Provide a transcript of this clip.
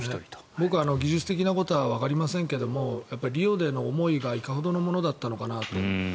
僕は技術的なことはわかりませんけれどもやっぱりリオでの思いがいかほどのものだったのかなと。